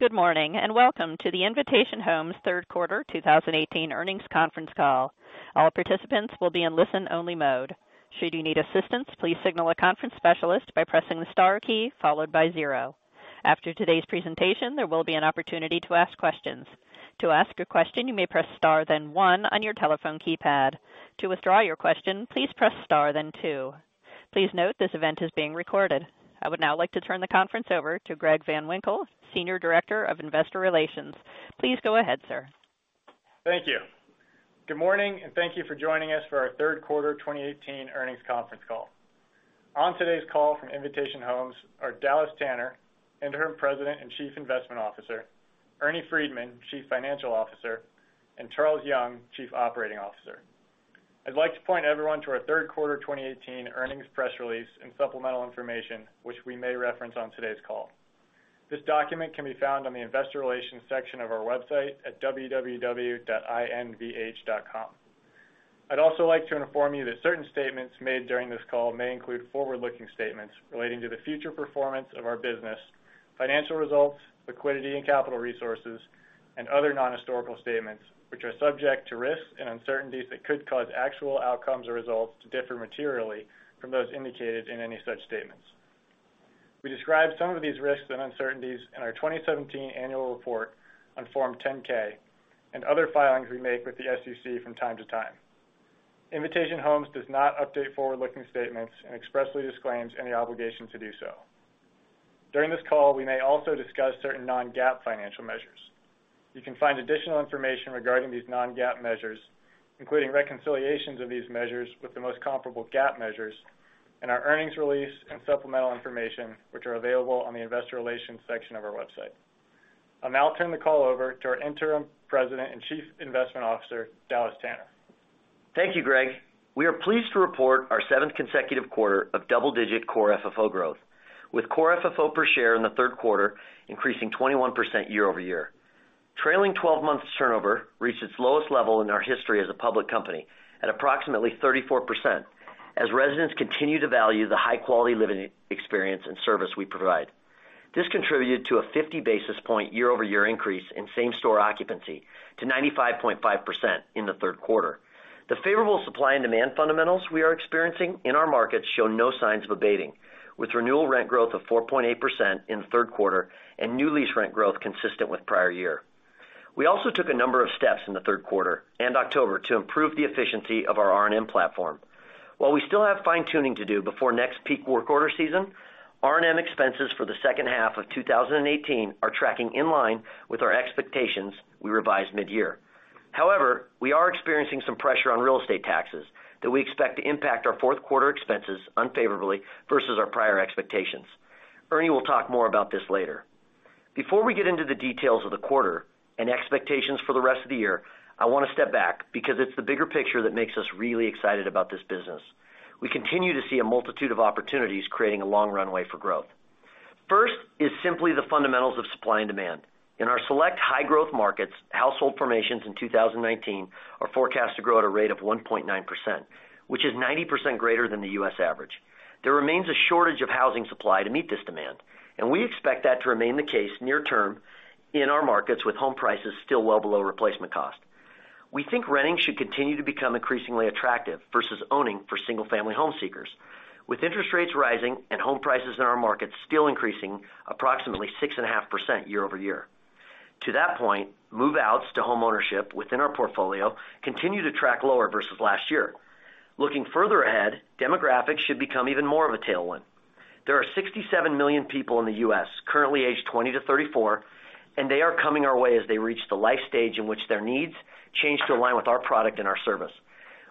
Good morning, and welcome to the Invitation Homes third quarter 2018 earnings conference call. All participants will be in listen-only mode. Should you need assistance, please signal a conference specialist by pressing the star key followed by zero. After today's presentation, there will be an opportunity to ask questions. To ask a question, you may press star then one on your telephone keypad. To withdraw your question, please press star then two. Please note this event is being recorded. I would now like to turn the conference over to Greg Van Winkle, Senior Director of Investor Relations. Please go ahead, sir. Thank you. Good morning, and thank you for joining us for our third quarter 2018 earnings conference call. On today's call from Invitation Homes are Dallas Tanner, Interim President and Chief Investment Officer, Ernie Freedman, Chief Financial Officer, and Charles Young, Chief Operating Officer. I'd like to point everyone to our third quarter 2018 earnings press release and supplemental information, which we may reference on today's call. This document can be found on the investor relations section of our website at www.invh.com. I'd also like to inform you that certain statements made during this call may include forward-looking statements relating to the future performance of our business, financial results, liquidity and capital resources, and other non-historical statements, which are subject to risks and uncertainties that could cause actual outcomes or results to differ materially from those indicated in any such statements. We describe some of these risks and uncertainties in our 2017 annual report on Form 10-K and other filings we make with the SEC from time to time. Invitation Homes does not update forward-looking statements and expressly disclaims any obligation to do so. During this call, we may also discuss certain non-GAAP financial measures. You can find additional information regarding these non-GAAP measures, including reconciliations of these measures with the most comparable GAAP measures in our earnings release and supplemental information, which are available on the investor relations section of our website. I'll now turn the call over to our interim President and Chief Investment Officer, Dallas Tanner. Thank you, Greg. We are pleased to report our seventh consecutive quarter of double-digit Core FFO growth, with Core FFO per share in the third quarter increasing 21% year-over-year. Trailing 12 months turnover reached its lowest level in our history as a public company at approximately 34%, as residents continue to value the high-quality living experience and service we provide. This contributed to a 50 basis point year-over-year increase in same-store occupancy to 95.5% in the third quarter. The favorable supply and demand fundamentals we are experiencing in our markets show no signs of abating, with renewal rent growth of 4.8% in the third quarter and new lease rent growth consistent with prior year. We also took a number of steps in the third quarter and October to improve the efficiency of our R&M platform. While we still have fine-tuning to do before next peak work order season, R&M expenses for the second half of 2018 are tracking in line with our expectations we revised mid-year. However, we are experiencing some pressure on real estate taxes that we expect to impact our fourth quarter expenses unfavorably versus our prior expectations. Ernie will talk more about this later. Before we get into the details of the quarter and expectations for the rest of the year, I want to step back because it's the bigger picture that makes us really excited about this business. We continue to see a multitude of opportunities creating a long runway for growth. First is simply the fundamentals of supply and demand. In our select high-growth markets, household formations in 2019 are forecast to grow at a rate of 1.9%, which is 90% greater than the U.S. average. There remains a shortage of housing supply to meet this demand. We expect that to remain the case near term in our markets with home prices still well below replacement cost. We think renting should continue to become increasingly attractive versus owning for single-family home seekers, with interest rates rising and home prices in our markets still increasing approximately 6.5% year-over-year. To that point, move-outs to homeownership within our portfolio continue to track lower versus last year. Looking further ahead, demographics should become even more of a tailwind. There are 67 million people in the U.S. currently aged 20 to 34. They are coming our way as they reach the life stage in which their needs change to align with our product and our service.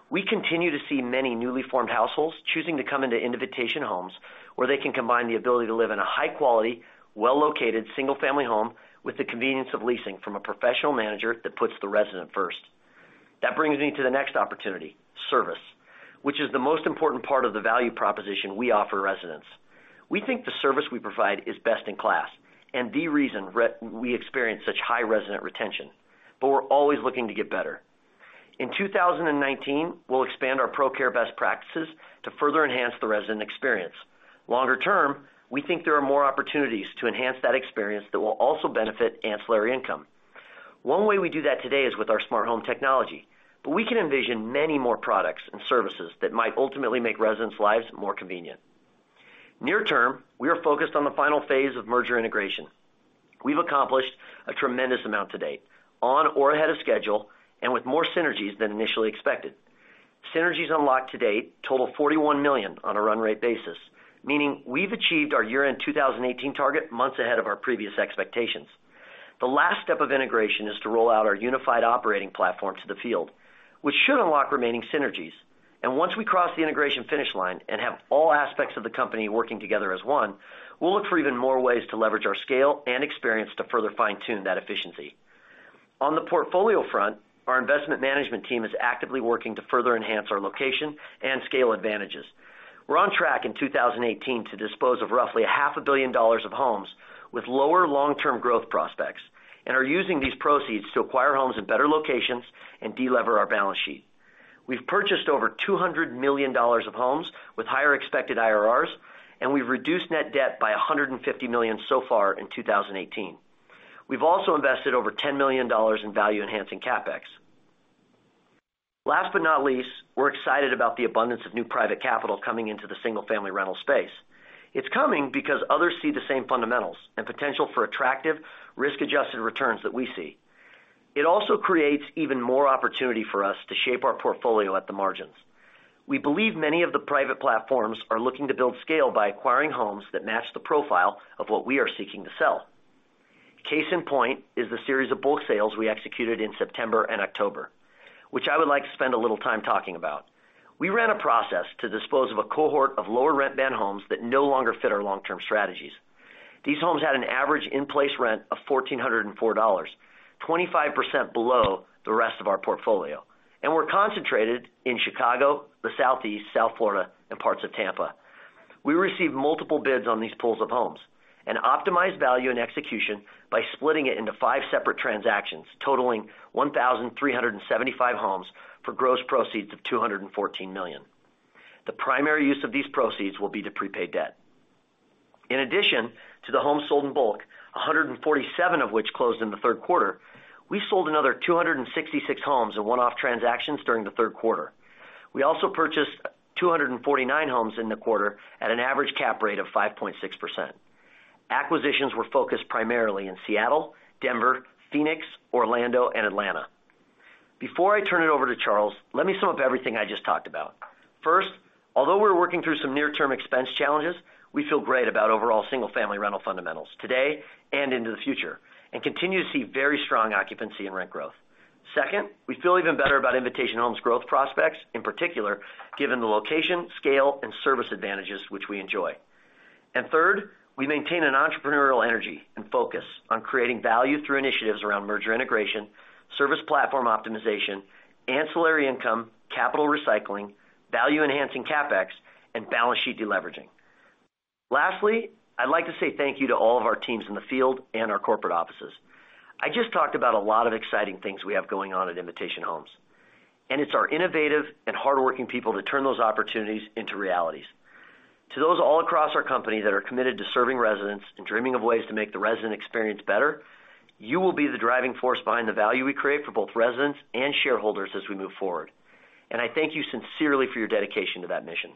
We continue to see many newly formed households choosing to come into Invitation Homes, where they can combine the ability to live in a high-quality, well-located, single-family home with the convenience of leasing from a professional manager that puts the resident first. That brings me to the next opportunity, service, which is the most important part of the value proposition we offer residents. We think the service we provide is best in class and the reason we experience such high resident retention. We're always looking to get better. In 2019, we'll expand our ProCare best practices to further enhance the resident experience. Longer term, we think there are more opportunities to enhance that experience that will also benefit ancillary income. One way we do that today is with our smart home technology. We can envision many more products and services that might ultimately make residents' lives more convenient. Near term, we are focused on the final phase of merger integration. We've accomplished a tremendous amount to date, on or ahead of schedule, with more synergies than initially expected. Synergies unlocked to date total $41 million on a run rate basis, meaning we've achieved our year-end 2018 target months ahead of our previous expectations. The last step of integration is to roll out our unified operating platform to the field, which should unlock remaining synergies. Once we cross the integration finish line and have all aspects of the company working together as one, we'll look for even more ways to leverage our scale and experience to further fine-tune that efficiency. On the portfolio front, our investment management team is actively working to further enhance our location and scale advantages. We're on track in 2018 to dispose of roughly a half a billion dollars of homes with lower long-term growth prospects and are using these proceeds to acquire homes in better locations and de-lever our balance sheet. We've purchased over $200 million of homes with higher expected IRRs, and we've reduced net debt by $150 million so far in 2018. We've also invested over $10 million in value-enhancing CapEx. Last but not least, we're excited about the abundance of new private capital coming into the single-family rental space. It's coming because others see the same fundamentals and potential for attractive risk-adjusted returns that we see. It also creates even more opportunity for us to shape our portfolio at the margins. We believe many of the private platforms are looking to build scale by acquiring homes that match the profile of what we are seeking to sell. Case in point is the series of bulk sales we executed in September and October, which I would like to spend a little time talking about. We ran a process to dispose of a cohort of lower rent band homes that no longer fit our long-term strategies. These homes had an average in-place rent of $1,404, 25% below the rest of our portfolio, and were concentrated in Chicago, the Southeast, South Florida, and parts of Tampa. We received multiple bids on these pools of homes, and optimized value and execution by splitting it into five separate transactions, totaling 1,375 homes for gross proceeds of $214 million. The primary use of these proceeds will be to pre-pay debt. In addition to the homes sold in bulk, 147 of which closed in the third quarter, we sold another 266 homes in one-off transactions during the third quarter. We also purchased 249 homes in the quarter at an average cap rate of 5.6%. Acquisitions were focused primarily in Seattle, Denver, Phoenix, Orlando, and Atlanta. Before I turn it over to Charles, let me sum up everything I just talked about. First, although we're working through some near-term expense challenges, we feel great about overall single-family rental fundamentals today and into the future, and continue to see very strong occupancy and rent growth. Second, we feel even better about Invitation Homes' growth prospects, in particular, given the location, scale, and service advantages which we enjoy. Third, we maintain an entrepreneurial energy and focus on creating value through initiatives around merger integration, service platform optimization, ancillary income, capital recycling, value-enhancing CapEx, and balance sheet de-leveraging. Lastly, I'd like to say thank you to all of our teams in the field and our corporate offices. I just talked about a lot of exciting things we have going on at Invitation Homes, and it's our innovative and hardworking people that turn those opportunities into realities. To those all across our company that are committed to serving residents and dreaming of ways to make the resident experience better, you will be the driving force behind the value we create for both residents and shareholders as we move forward. I thank you sincerely for your dedication to that mission.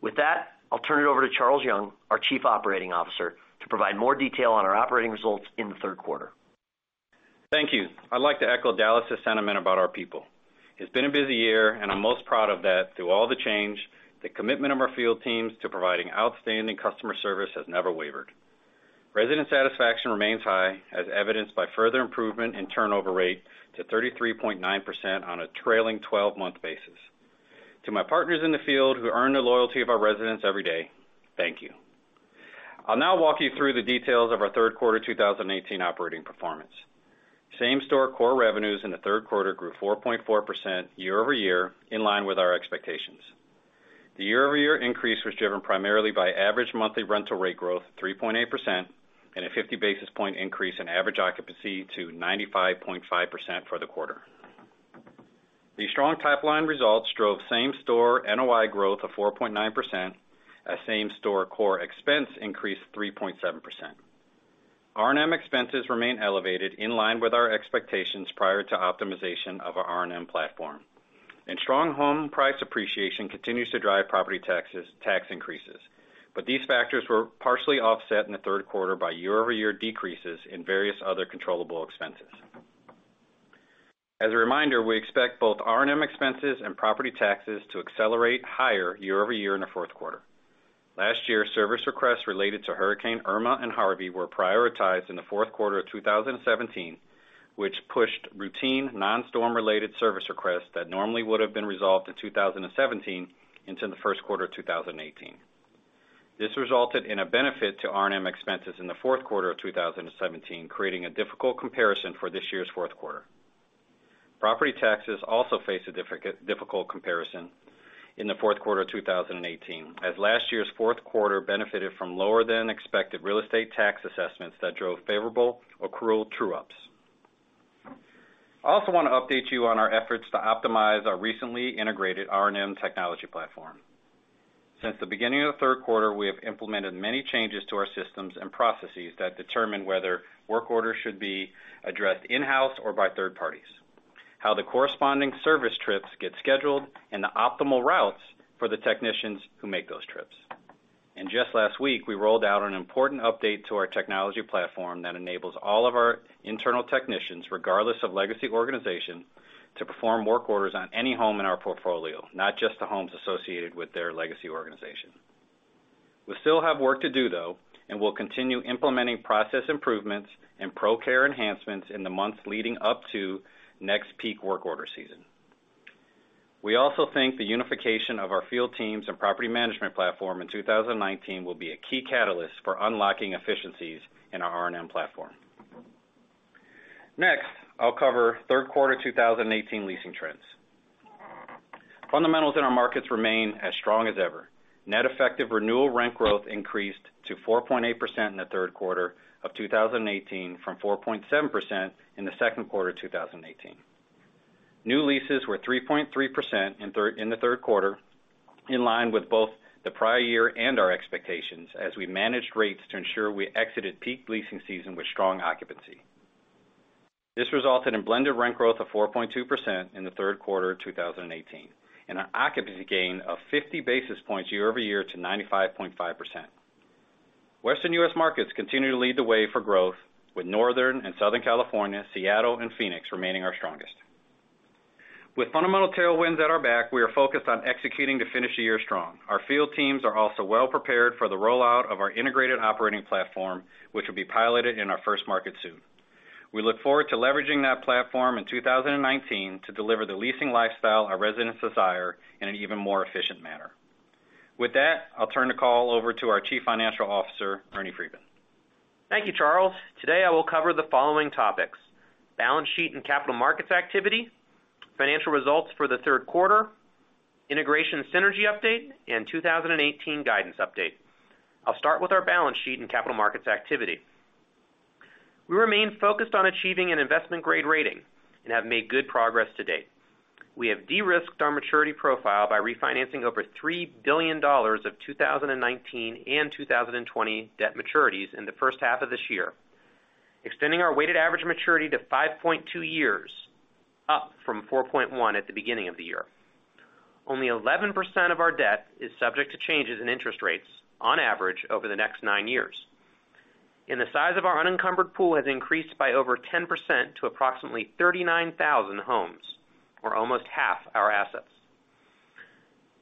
With that, I'll turn it over to Charles Young, our Chief Operating Officer, to provide more detail on our operating results in the third quarter. Thank you. I'd like to echo Dallas' sentiment about our people. It's been a busy year, and I'm most proud of that through all the change, the commitment of our field teams to providing outstanding customer service has never wavered. Resident satisfaction remains high, as evidenced by further improvement in turnover rate to 33.9% on a trailing 12-month basis. To my partners in the field who earn the loyalty of our residents every day, thank you. I'll now walk you through the details of our third quarter 2018 operating performance. Same-store core revenues in the third quarter grew 4.4% year-over-year, in line with our expectations. The year-over-year increase was driven primarily by average monthly rental rate growth 3.8%, and a 50 basis point increase in average occupancy to 95.5% for the quarter. These strong top-line results drove Same-store NOI growth of 4.9%, as Same-store core expense increased 3.7%. R&M expenses remain elevated in line with our expectations prior to optimization of our R&M platform. Strong home price appreciation continues to drive property tax increases. These factors were partially offset in the third quarter by year-over-year decreases in various other controllable expenses. As a reminder, we expect both R&M expenses and property taxes to accelerate higher year-over-year in the fourth quarter. Last year, service requests related to Hurricane Irma and Hurricane Harvey were prioritized in the fourth quarter of 2017, which pushed routine non-storm related service requests that normally would have been resolved in 2017 into the first quarter of 2018. This resulted in a benefit to R&M expenses in the fourth quarter of 2017, creating a difficult comparison for this year's fourth quarter. Property taxes also face a difficult comparison in the fourth quarter of 2018, as last year's fourth quarter benefited from lower than expected real estate tax assessments that drove favorable accrual true ups. I also want to update you on our efforts to optimize our recently integrated R&M technology platform. Since the beginning of the third quarter, we have implemented many changes to our systems and processes that determine whether work orders should be addressed in-house or by third parties, how the corresponding service trips get scheduled, and the optimal routes for the technicians who make those trips. Just last week, we rolled out an important update to our technology platform that enables all of our internal technicians, regardless of legacy organization, to perform work orders on any home in our portfolio, not just the homes associated with their legacy organization. We still have work to do though, and we'll continue implementing process improvements and ProCare enhancements in the months leading up to next peak work order season. We also think the unification of our field teams and property management platform in 2019 will be a key catalyst for unlocking efficiencies in our R&M platform. Next, I'll cover third quarter 2018 leasing trends. Fundamentals in our markets remain as strong as ever. Net effective renewal rent growth increased to 4.8% in the third quarter of 2018 from 4.7% in the second quarter 2018. New leases were 3.3% in the third quarter, in line with both the prior year and our expectations as we managed rates to ensure we exited peak leasing season with strong occupancy. This resulted in blended rent growth of 4.2% in the third quarter 2018, and an occupancy gain of 50 basis points year-over-year to 95.5%. Western U.S. markets continue to lead the way for growth with Northern and Southern California, Seattle, and Phoenix remaining our strongest. With fundamental tailwinds at our back, we are focused on executing to finish the year strong. Our field teams are also well prepared for the rollout of our integrated operating platform, which will be piloted in our first market soon. We look forward to leveraging that platform in 2019 to deliver the leasing lifestyle our residents desire in an even more efficient manner. With that, I'll turn the call over to our Chief Financial Officer, Ernie Freedman. Thank you, Charles. Today I will cover the following topics: balance sheet and capital markets activity, financial results for the third quarter, integration synergy update, and 2018 guidance update. I'll start with our balance sheet and capital markets activity. We remain focused on achieving an investment-grade rating and have made good progress to date. We have de-risked our maturity profile by refinancing over $3 billion of 2019 and 2020 debt maturities in the first half of this year, extending our weighted average maturity to 5.2 years, up from 4.1 at the beginning of the year. Only 11% of our debt is subject to changes in interest rates on average over the next nine years. The size of our unencumbered pool has increased by over 10% to approximately 39,000 homes, or almost half our assets.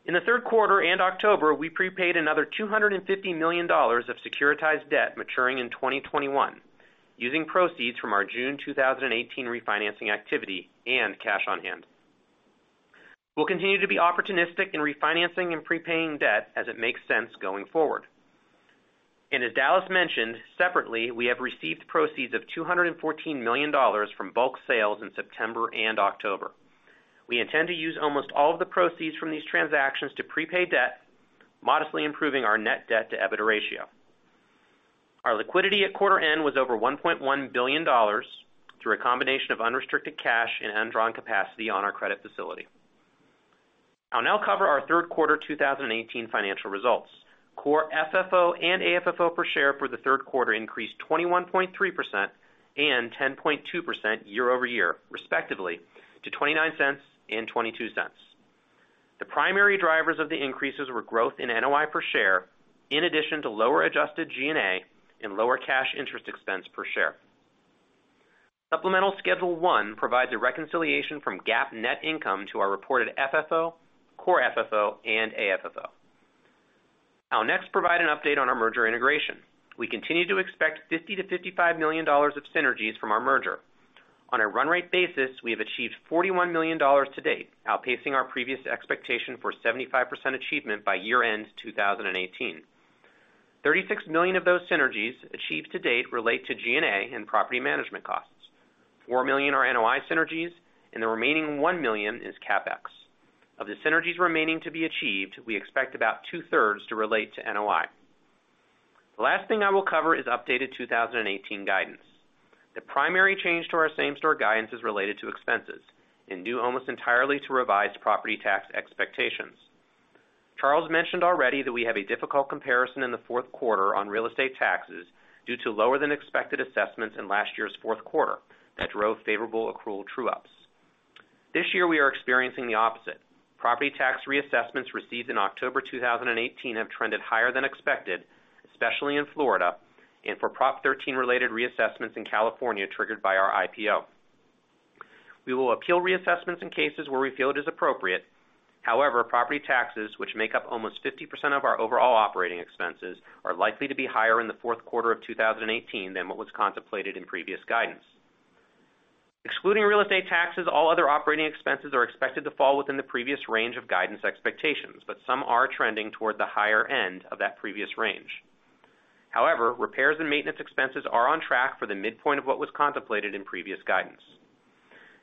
In the third quarter and October, we prepaid another $250 million of securitized debt maturing in 2021 using proceeds from our June 2018 refinancing activity and cash on hand. We'll continue to be opportunistic in refinancing and prepaying debt as it makes sense going forward. As Dallas mentioned, separately, we have received proceeds of $214 million from bulk sales in September and October. We intend to use almost all of the proceeds from these transactions to prepaid debt, modestly improving our net debt to EBITDA ratio. Our liquidity at quarter end was over $1.1 billion through a combination of unrestricted cash and undrawn capacity on our credit facility. I'll now cover our third quarter 2018 financial results. Core FFO and AFFO per share for the third quarter increased 21.3% and 10.2% year-over-year, respectively, to $0.29 and $0.22. The primary drivers of the increases were growth in NOI per share, in addition to lower adjusted G&A and lower cash interest expense per share. Supplemental Schedule 1 provides a reconciliation from GAAP net income to our reported FFO, Core FFO and AFFO. I'll next provide an update on our merger integration. We continue to expect $50 million-$55 million of synergies from our merger. On a run rate basis, we have achieved $41 million to date, outpacing our previous expectation for 75% achievement by year-end 2018. $36 million of those synergies achieved to date relate to G&A and property management costs. $4 million are NOI synergies, and the remaining $1 million is CapEx. Of the synergies remaining to be achieved, we expect about two-thirds to relate to NOI. The last thing I will cover is updated 2018 guidance. The primary change to our same-store guidance is related to expenses and due almost entirely to revised property tax expectations. Charles mentioned already that we have a difficult comparison in the fourth quarter on real estate taxes due to lower than expected assessments in last year's fourth quarter that drove favorable accrual true-ups. This year we are experiencing the opposite. Property tax reassessments received in October 2018 have trended higher than expected, especially in Florida, and for Proposition 13 related reassessments in California triggered by our IPO. We will appeal reassessments in cases where we feel it is appropriate. However, property taxes, which make up almost 50% of our overall operating expenses, are likely to be higher in the fourth quarter of 2018 than what was contemplated in previous guidance. Excluding real estate taxes, all other operating expenses are expected to fall within the previous range of guidance expectations, but some are trending toward the higher end of that previous range. However, repairs and maintenance expenses are on track for the midpoint of what was contemplated in previous guidance.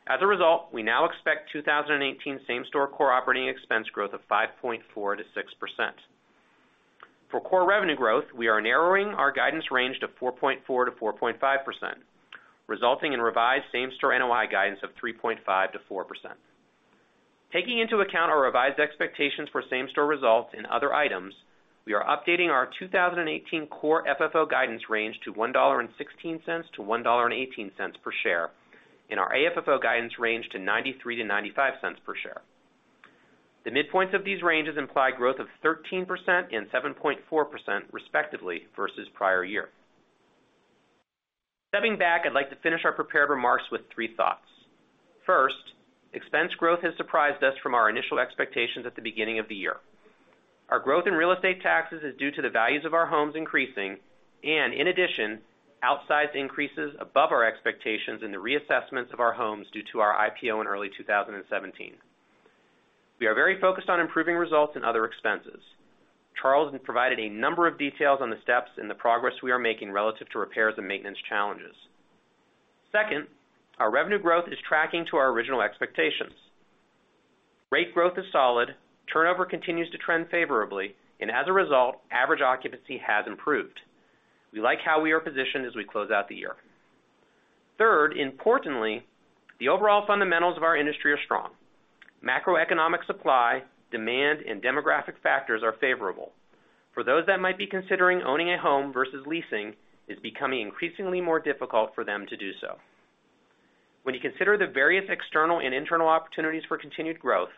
As a result, we now expect 2018 same-store core operating expense growth of 5.4%-6%. For core revenue growth, we are narrowing our guidance range to 4.4%-4.5%, resulting in revised Same-Store NOI guidance of 3.5%-4%. Taking into account our revised expectations for same-store results and other items, we are updating our 2018 Core FFO guidance range to $1.16-$1.18 per share and our AFFO guidance range to $0.93-$0.95 per share. The midpoints of these ranges imply growth of 13% and 7.4% respectively, versus prior year. Stepping back, I'd like to finish our prepared remarks with three thoughts. First, expense growth has surprised us from our initial expectations at the beginning of the year. Our growth in real estate taxes is due to the values of our homes increasing, and in addition, outsized increases above our expectations in the reassessments of our homes due to our IPO in early 2017. We are very focused on improving results and other expenses. Charles has provided a number of details on the steps and the progress we are making relative to repairs and maintenance challenges. Second, our revenue growth is tracking to our original expectations. Rate growth is solid. Turnover continues to trend favorably, and as a result, average occupancy has improved. We like how we are positioned as we close out the year. Third, importantly, the overall fundamentals of our industry are strong. Macroeconomic supply, demand, and demographic factors are favorable. For those that might be considering owning a home versus leasing, it's becoming increasingly more difficult for them to do so. When you consider the various external and internal opportunities for continued growth,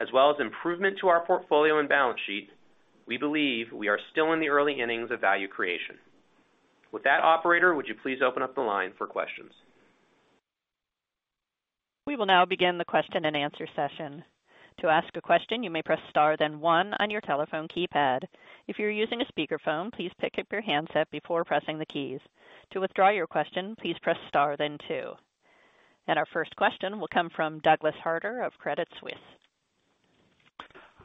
as well as improvement to our portfolio and balance sheet, we believe we are still in the early innings of value creation. With that, operator, would you please open up the line for questions? We will now begin the question and answer session. To ask a question, you may press star, then one on your telephone keypad. If you're using a speakerphone, please pick up your handset before pressing the keys. To withdraw your question, please press star, then two. Our first question will come from Douglas Harter of Credit Suisse.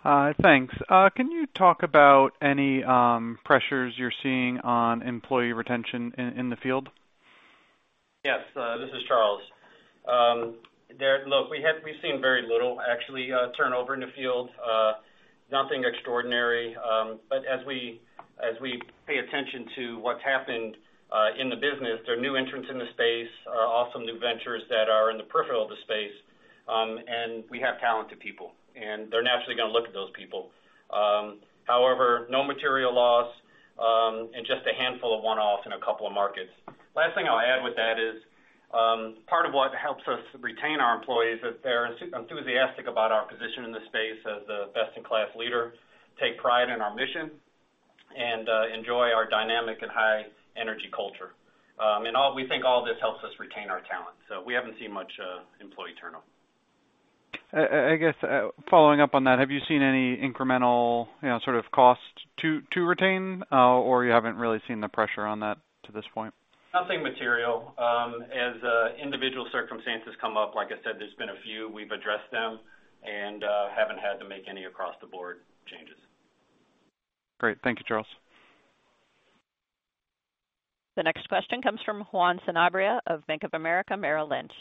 Hi. Thanks. Can you talk about any pressures you're seeing on employee retention in the field? Yes. This is Charles. Look, we've seen very little, actually, turnover in the field. Nothing extraordinary. As we pay attention to what's happened in the business, there are new entrants in the space, are also new ventures that are in the peripheral of the space. We have talented people, and they're naturally going to look at those people. However, no material loss, and just a handful of one-offs in a couple of markets. Last thing I'll add with that is, part of what helps us retain our employees is they're enthusiastic about our position in the space as a best-in-class leader, take pride in our mission, and enjoy our dynamic and high-energy culture. We think all this helps us retain our talent. We haven't seen much employee turnover. I guess following up on that, have you seen any incremental sort of cost to retain, or you haven't really seen the pressure on that to this point? Nothing material. As individual circumstances come up, like I said, there's been a few. We've addressed them and haven't had to make any across-the-board changes. Great. Thank you, Charles. The next question comes from Juan Sanabria of Bank of America Merrill Lynch.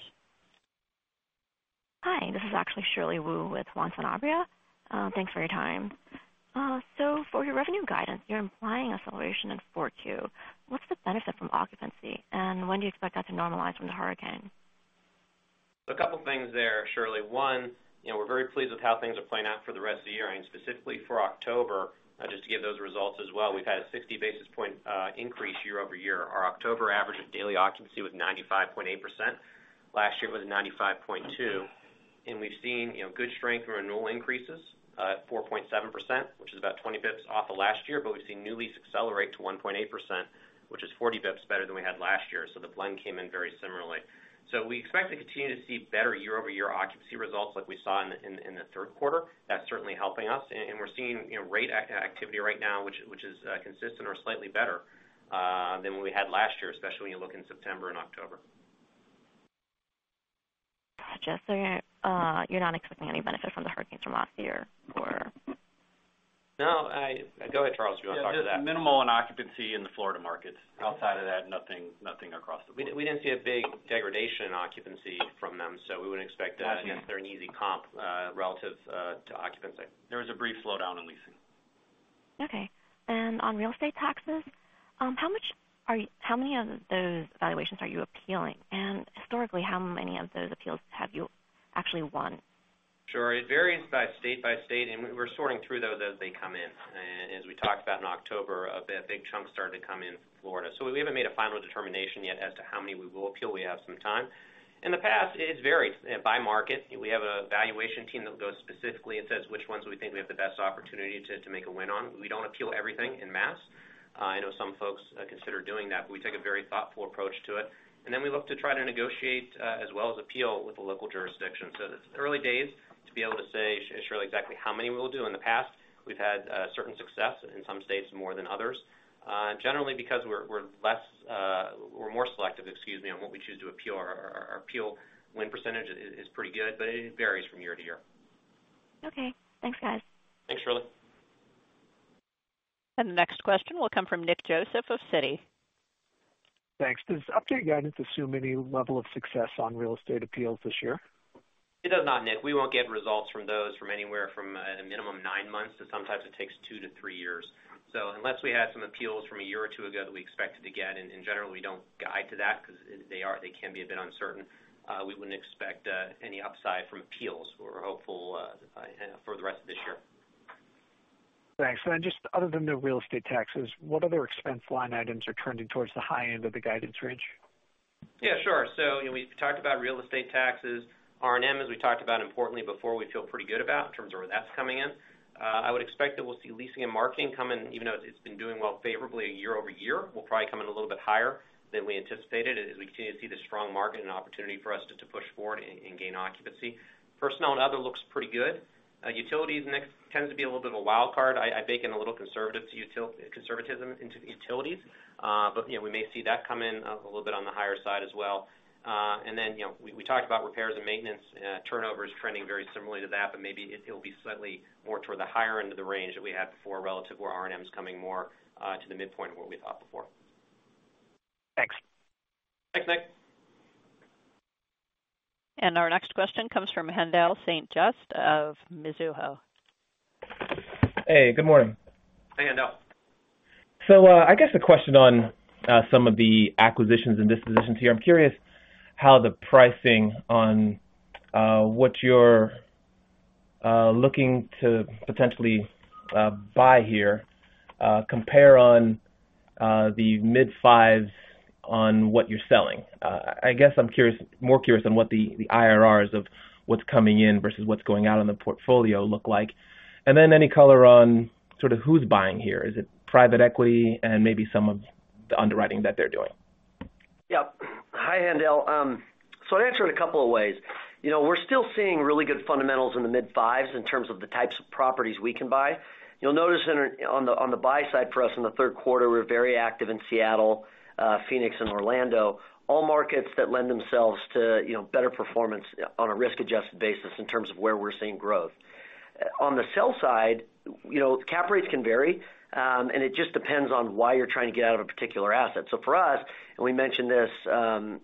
Hi, this is actually Shirley Wu with Juan Sanabria. Thanks for your time. For your revenue guidance, you're implying acceleration in 4Q. What's the benefit from occupancy, and when do you expect that to normalize from the hurricane? A couple things there, Shirley. One, we're very pleased with how things are playing out for the rest of the year, and specifically for October. Just to give those results as well, we've had a 60 basis point increase year-over-year. Our October average of daily occupancy was 95.8%. Last year it was 95.2%, and we've seen good strength from renewal increases at 4.7%, which is about 20 basis points off of last year, but we've seen new lease accelerate to 1.8%, which is 40 basis points better than we had last year. The blend came in very similarly. We expect to continue to see better year-over-year occupancy results like we saw in the third quarter. That's certainly helping us, we're seeing rate activity right now, which is consistent or slightly better than what we had last year, especially when you look in September and October. Just so you're not expecting any benefit from the hurricanes from last year or? No. Go ahead, Charles, you want to talk to that. Yeah, just minimal on occupancy in the Florida markets. Outside of that, nothing across the board. We didn't see a big degradation in occupancy from them, so we wouldn't expect that. Yes, they're an easy comp relative to occupancy. There was a brief slowdown in leasing. Okay. On real estate taxes, how many of those valuations are you appealing? Historically, how many of those appeals have you actually won? Sure. It varies by state by state, and we're sorting through those as they come in. As we talked about in October, a big chunk started to come in from Florida. We haven't made a final determination yet as to how many we will appeal. We have some time. In the past, it's varied by market. We have a valuation team that goes specifically and says which ones we think we have the best opportunity to make a win on. We don't appeal everything en masse. I know some folks consider doing that, but we take a very thoughtful approach to it, and then we look to try to negotiate as well as appeal with the local jurisdiction. It's early days to be able to say, Shirley, exactly how many we'll do. In the past, we've had certain success in some states more than others. Generally, because we're more selective on what we choose to appeal, our appeal win percentage is pretty good, but it varies from year to year. Okay. Thanks, guys. Thanks, Shirley. The next question will come from Nick Joseph of Citi. Thanks. Does update guidance assume any level of success on real estate appeals this year? It does not, Nick. We won't get results from those from anywhere from a minimum nine months to sometimes it takes two to three years. Unless we have some appeals from a year or two ago that we expected to get, and in general, we don't guide to that because they can be a bit uncertain. We wouldn't expect any upside from appeals. We're hopeful for the rest of this year. Thanks. Just other than the real estate taxes, what other expense line items are trending towards the high end of the guidance range? Yeah, sure. We talked about real estate taxes. R&M, as we talked about importantly before, we feel pretty good about in terms of where that's coming in. I would expect that we'll see leasing and marketing come in, even though it's been doing well favorably year-over-year, will probably come in a little bit higher than we anticipated as we continue to see the strong market and opportunity for us to push forward and gain occupancy. Personnel and other looks pretty good. Utilities, Nick, tends to be a little bit of a wild card. I bake in a little conservatism into the utilities. We may see that come in a little bit on the higher side as well. We talked about repairs and maintenance. Turnover is trending very similarly to that, but maybe it'll be slightly more toward the higher end of the range that we had before relative where R&M's coming more to the midpoint of what we thought before. Thanks. Thanks, Nick. Our next question comes from Haendel St. Juste of Mizuho. Hey, good morning. Hey, Haendel. I guess a question on some of the acquisitions and dispositions here. I'm curious how the pricing on what you're looking to potentially buy here compare on the mid-fives on what you're selling. I guess I'm more curious on what the IRRs of what's coming in versus what's going out on the portfolio look like. Any color on sort of who's buying here. Is it private equity and maybe some of the underwriting that they're doing? Yep. Hi, Haendel. I'll answer it a couple of ways. We're still seeing really good fundamentals in the mid-fives in terms of the types of properties we can buy. You'll notice on the buy side for us in the third quarter, we're very active in Seattle, Phoenix, and Orlando, all markets that lend themselves to better performance on a risk-adjusted basis in terms of where we're seeing growth. On the sell side, cap rates can vary, and it just depends on why you're trying to get out of a particular asset. For us, and we mentioned this in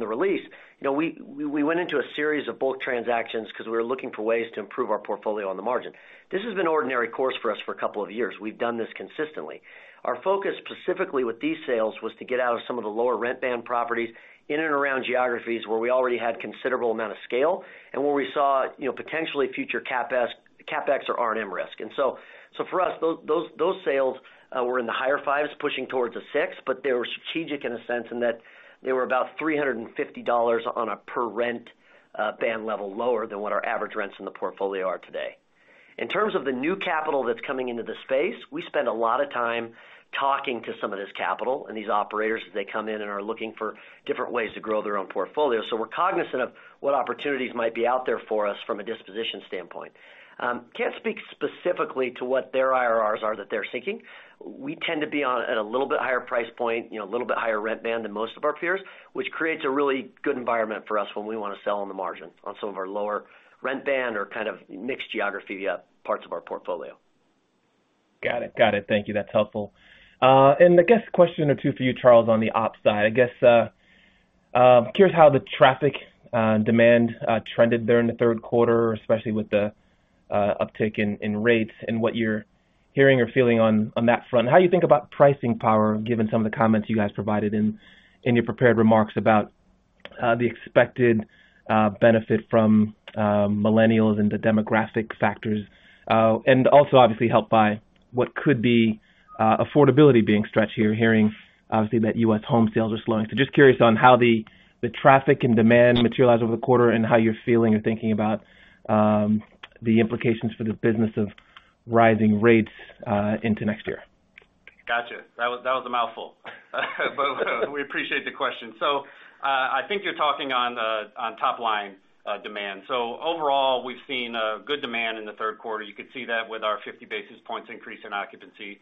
the release, we went into a series of bulk transactions because we were looking for ways to improve our portfolio on the margin. This has been ordinary course for us for a couple of years. We've done this consistently. Our focus specifically with these sales was to get out of some of the lower rent band properties in and around geographies where we already had considerable amount of scale and where we saw potentially future CapEx or R&M risk. For us, those sales were in the higher fives pushing towards a six, but they were strategic in a sense in that they were about $350 on a per rent band level lower than what our average rents in the portfolio are today. In terms of the new capital that's coming into the space, we spend a lot of time talking to some of this capital and these operators as they come in and are looking for different ways to grow their own portfolio. We're cognizant of what opportunities might be out there for us from a disposition standpoint. Can't speak specifically to what their IRRs are that they're seeking. We tend to be at a little bit higher price point, a little bit higher rent band than most of our peers, which creates a really good environment for us when we want to sell on the margin on some of our lower rent band or kind of mixed geography parts of our portfolio. Got it. Thank you. That's helpful. I guess a question or two for you, Charles, on the ops side. I guess, curious how the traffic demand trended there in the third quarter, especially with the uptick in rates and what you're hearing or feeling on that front. How do you think about pricing power, given some of the comments you guys provided in your prepared remarks about the expected benefit from millennials and the demographic factors, and also obviously helped by what could be affordability being stretched here, hearing obviously that U.S. home sales are slowing. Just curious on how the traffic and demand materialized over the quarter and how you're feeling and thinking about the implications for the business of rising rates into next year. Gotcha. That was a mouthful, but we appreciate the question. I think you're talking on top line demand. Overall, we've seen a good demand in the third quarter. You could see that with our 50 basis points increase in occupancy.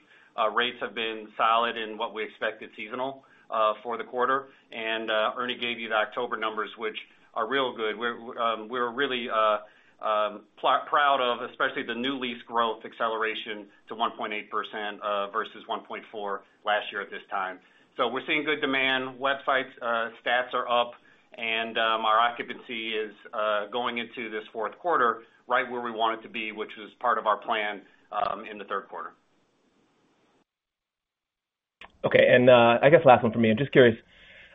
Rates have been solid in what we expected seasonal for the quarter. Ernie gave you the October numbers, which are real good. We're really proud of, especially the new lease growth acceleration to 1.8% versus 1.4 last year at this time. We're seeing good demand. Website stats are up, and our occupancy is going into this fourth quarter right where we want it to be, which was part of our plan in the third quarter. Okay, I guess last one from me. I'm just curious.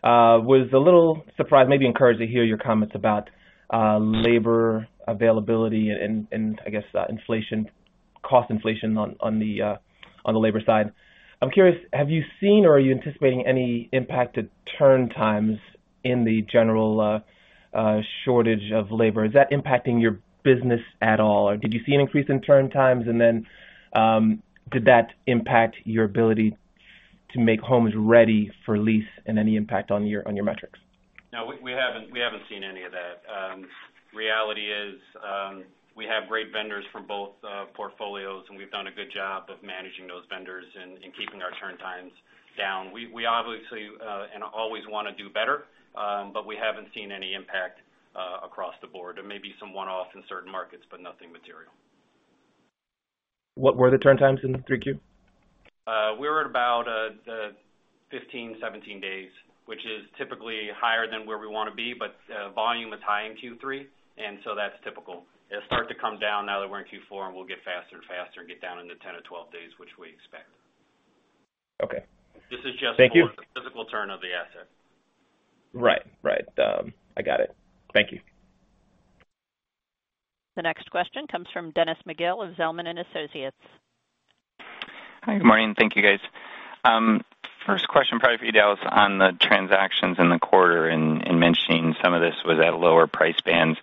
Was a little surprised, maybe encouraged to hear your comments about labor availability and, I guess, cost inflation on the labor side. I'm curious, have you seen or are you anticipating any impact to turn times in the general shortage of labor? Is that impacting your business at all, or did you see an increase in turn times? Did that impact your ability to make homes ready for lease and any impact on your metrics? No, we haven't seen any of that. Reality is, we have great vendors from both portfolios, and we've done a good job of managing those vendors and keeping our turn times down. We obviously and always want to do better, but we haven't seen any impact across the board. There may be some one-off in certain markets, but nothing material. What were the turn times in 3Q? We were at about 15, 17 days, which is typically higher than where we want to be, but volume was high in Q3, and so that's typical. It'll start to come down now that we're in Q4, and we'll get faster and faster and get down into 10-12 days, which we expect. Okay. Thank you. This is just for the physical turn of the asset. Right. I got it. Thank you. The next question comes from Dennis McGill of Zelman & Associates. Hi, good morning. Thank you, guys. First question probably for you, Dallas, on the transactions in the quarter and mentioning some of this was at lower price bands.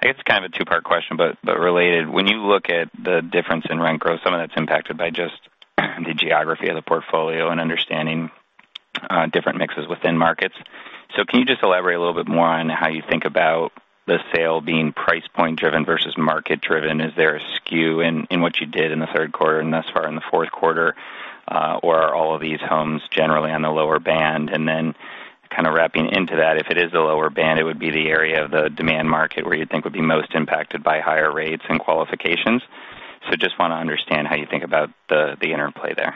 I guess kind of a two-part question, but related. When you look at the difference in rent growth, some of that's impacted by just the geography of the portfolio and understanding different mixes within markets. Can you just elaborate a little bit more on how you think about the sale being price point driven versus market driven? Is there a skew in what you did in the third quarter and thus far in the fourth quarter? Are all of these homes generally on the lower band? Kind of wrapping into that, if it is the lower band, it would be the area of the demand market where you think would be most impacted by higher rates and qualifications. Just want to understand how you think about the interplay there.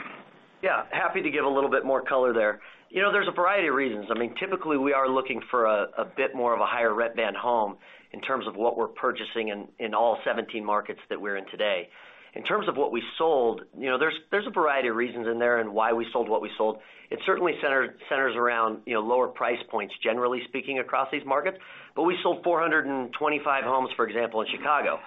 Yeah. Happy to give a little bit more color there. There's a variety of reasons. Typically, we are looking for a bit more of a higher rent band home in terms of what we're purchasing in all 17 markets that we're in today. In terms of what we sold, there's a variety of reasons in there and why we sold what we sold. It certainly centers around lower price points, generally speaking, across these markets. We sold 425 homes, for example, in Chicago.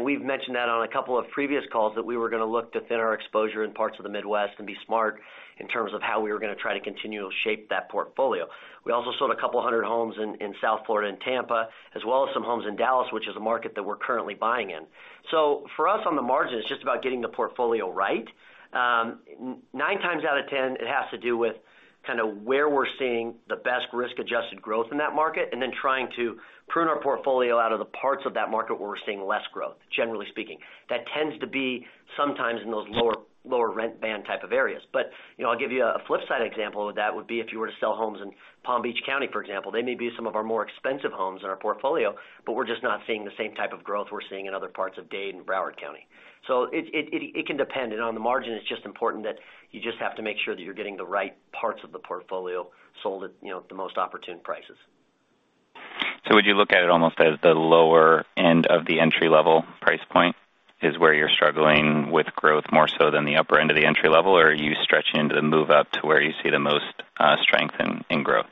We've mentioned that on a couple of previous calls that we were going to look to thin our exposure in parts of the Midwest and be smart in terms of how we were going to try to continue to shape that portfolio. We also sold a couple of hundred homes in South Florida and Tampa, as well as some homes in Dallas, which is a market that we're currently buying in. For us, on the margin, it's just about getting the portfolio right. Nine times out of 10, it has to do with where we're seeing the best risk-adjusted growth in that market, and then trying to prune our portfolio out of the parts of that market where we're seeing less growth, generally speaking. That tends to be sometimes in those lower rent band type of areas. I'll give you a flip side example of that, would be if you were to sell homes in Palm Beach County, for example. They may be some of our more expensive homes in our portfolio, but we're just not seeing the same type of growth we're seeing in other parts of Dade and Broward County. It can depend. On the margin, it's just important that you just have to make sure that you're getting the right parts of the portfolio sold at the most opportune prices. Would you look at it almost as the lower end of the entry-level price point is where you're struggling with growth more so than the upper end of the entry level? Are you stretching into the move up to where you see the most strength in growth?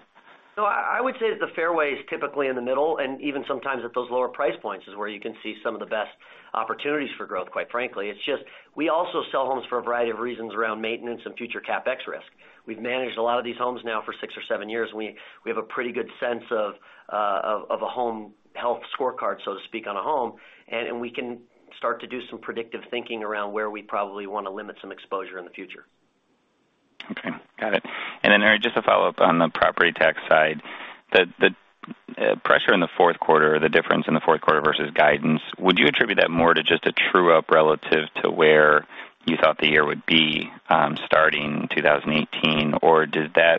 No, I would say that the fairway is typically in the middle, and even sometimes at those lower price points is where you can see some of the best opportunities for growth, quite frankly. It's just, we also sell homes for a variety of reasons around maintenance and future CapEx risk. We've managed a lot of these homes now for six or seven years, and we have a pretty good sense of a home health scorecard, so to speak, on a home. We can start to do some predictive thinking around where we probably want to limit some exposure in the future. Okay. Got it. Then, Ernie, just a follow-up on the property tax side. The pressure in the fourth quarter, the difference in the fourth quarter versus guidance, would you attribute that more to just a true-up relative to where you thought the year would be starting 2018? Does that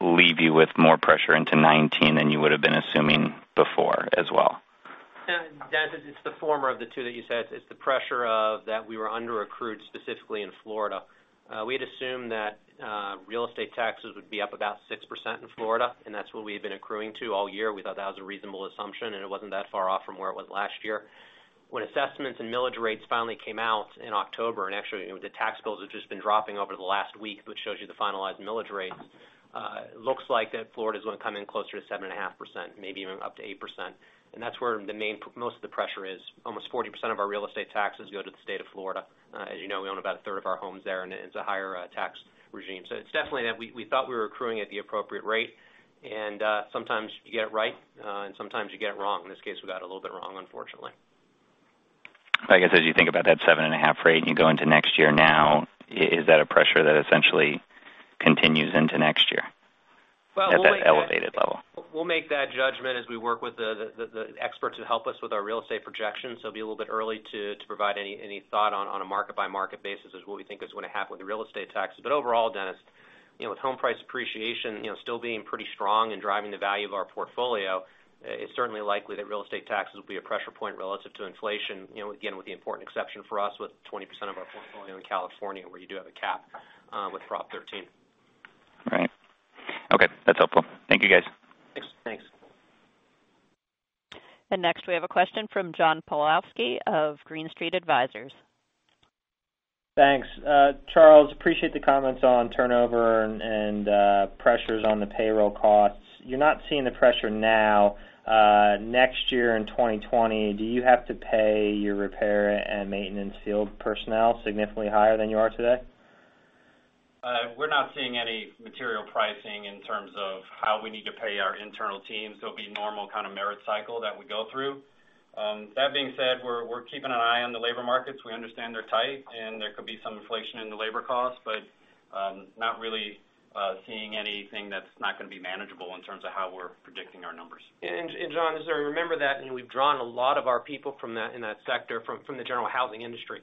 leave you with more pressure into 2019 than you would've been assuming before as well? Dennis, it's the former of the two that you said. It's the pressure of that we were under-accrued, specifically in Florida. We had assumed that real estate taxes would be up about 6% in Florida, and that's what we had been accruing to all year. We thought that was a reasonable assumption, and it wasn't that far off from where it was last year. When assessments and millage rates finally came out in October, and actually, the tax bills have just been dropping over the last week, which shows you the finalized millage rates, looks like that Florida's going to come in closer to 7.5%, maybe even up to 8%. That's where most of the pressure is. Almost 40% of our real estate taxes go to the state of Florida. As you know, we own about a third of our homes there, and it's a higher tax regime. It's definitely that we thought we were accruing at the appropriate rate, and sometimes you get it right, and sometimes you get it wrong. In this case, we got it a little bit wrong, unfortunately. I guess, as you think about that 7.5% rate, and you go into next year now, is that a pressure that essentially continues into next year at that elevated level? We'll make that judgment as we work with the experts who help us with our real estate projections. It'd be a little bit early to provide any thought on a market-by-market basis as what we think is going to happen with real estate taxes. Overall, Dennis, with home price appreciation still being pretty strong and driving the value of our portfolio, it's certainly likely that real estate taxes will be a pressure point relative to inflation. Again, with the important exception for us with 20% of our portfolio in California where you do have a cap with Proposition 13. Right. Okay, that's helpful. Thank you, guys. Thanks. Thanks. Next we have a question from John Pawlowski of Green Street Advisors. Thanks. Charles, appreciate the comments on turnover and pressures on the payroll costs. You're not seeing the pressure now. Next year, in 2020, do you have to pay your repair and maintenance field personnel significantly higher than you are today? We're not seeing any material pricing in terms of how we need to pay our internal teams. There'll be normal kind of merit cycle that we go through. That being said, we're keeping an eye on the labor markets. We understand they're tight, and there could be some inflation in the labor cost, but not really seeing anything that's not going to be manageable in terms of how we're predicting our numbers. John, as I remember that, we've drawn a lot of our people in that sector from the general housing industry.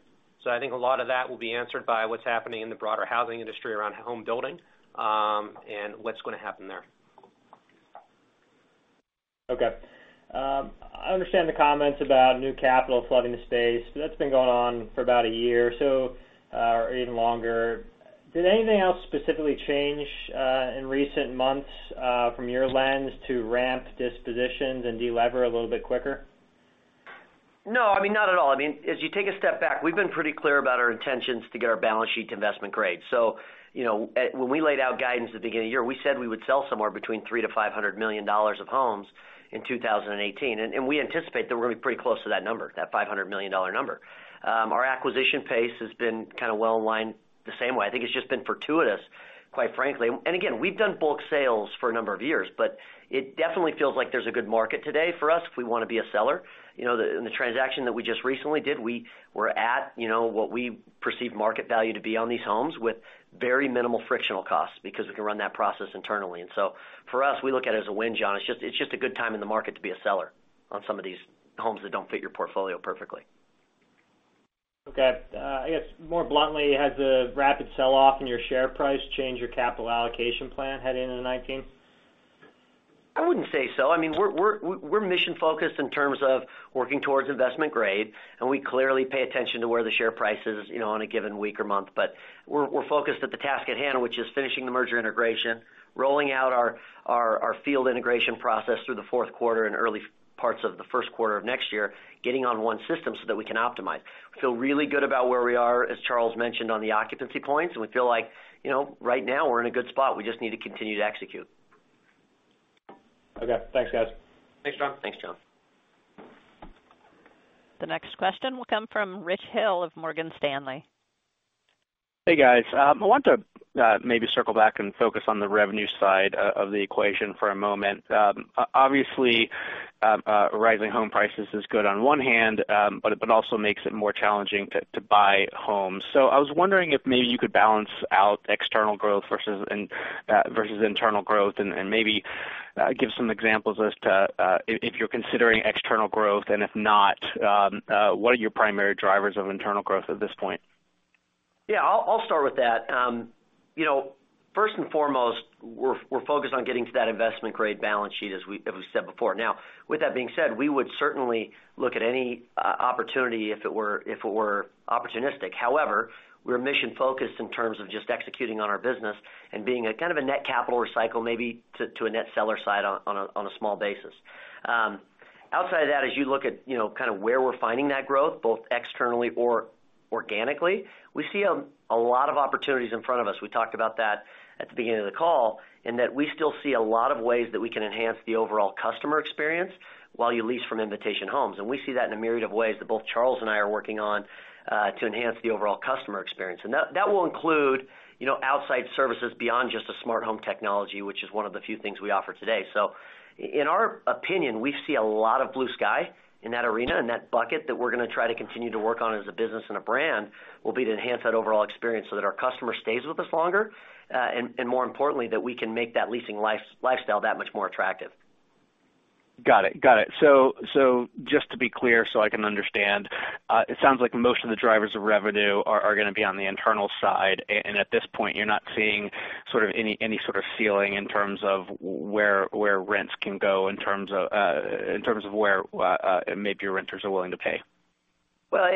I think a lot of that will be answered by what's happening in the broader housing industry around home building, and what's going to happen there. Okay. I understand the comments about new capital flooding the space. That's been going on for about a year or so, or even longer. Did anything else specifically change in recent months from your lens to ramp dispositions and delever a little bit quicker? No, not at all. As you take a step back, we've been pretty clear about our intentions to get our balance sheet to investment grade. When we laid out guidance at the beginning of the year, we said we would sell somewhere between $300 million-$500 million of homes in 2018. We anticipate that we're going to be pretty close to that number, that $500 million number. Our acquisition pace has been kind of well aligned the same way. I think it's just been fortuitous, quite frankly. Again, we've done bulk sales for a number of years, but it definitely feels like there's a good market today for us if we want to be a seller. In the transaction that we just recently did, we were at what we perceive market value to be on these homes with very minimal frictional costs because we can run that process internally. For us, we look at it as a win, John. It's just a good time in the market to be a seller on some of these homes that don't fit your portfolio perfectly. Okay. I guess more bluntly, has the rapid sell-off in your share price changed your capital allocation plan heading into 2019? I wouldn't say so. We're mission-focused in terms of working towards investment grade. We clearly pay attention to where the share price is, on a given week or month. We're focused at the task at hand, which is finishing the merger integration, rolling out our field integration process through the fourth quarter and early parts of the first quarter of next year, getting on one system so that we can optimize. We feel really good about where we are, as Charles mentioned, on the occupancy points. We feel like right now we're in a good spot. We just need to continue to execute. Okay. Thanks, guys. Thanks, John. Thanks, John. The next question will come from Richard Hill of Morgan Stanley. Hey, guys. I want to maybe circle back and focus on the revenue side of the equation for a moment. Obviously, rising home prices is good on one hand, but it also makes it more challenging to buy homes. I was wondering if maybe you could balance out external growth versus internal growth, and maybe give some examples as to if you're considering external growth, and if not, what are your primary drivers of internal growth at this point? Yeah. I'll start with that. First and foremost, we're focused on getting to that investment-grade balance sheet, as we've said before. With that being said, we would certainly look at any opportunity if it were opportunistic. However, we're mission-focused in terms of just executing on our business and being a kind of a net capital recycle maybe to a net seller side on a small basis. Outside of that, as you look at where we're finding that growth, both externally or organically, we see a lot of opportunities in front of us. We talked about that at the beginning of the call, and that we still see a lot of ways that we can enhance the overall customer experience while you lease from Invitation Homes. We see that in a myriad of ways that both Charles and I are working on to enhance the overall customer experience. That will include outside services beyond just the smart home technology, which is one of the few things we offer today. In our opinion, we see a lot of blue sky in that arena, in that bucket that we're going to try to continue to work on as a business and a brand, will be to enhance that overall experience so that our customer stays with us longer. More importantly, that we can make that leasing lifestyle that much more attractive. Got it. Just to be clear so I can understand, it sounds like most of the drivers of revenue are going to be on the internal side. At this point, you're not seeing any sort of ceiling in terms of where rents can go, in terms of where maybe your renters are willing to pay. Well,